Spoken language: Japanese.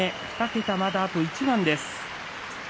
２桁まで、あと一番です。